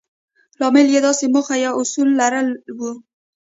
لامل يې داسې موخه يا اصول لرل وي.